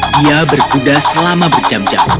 dia berkuda selama berjam jam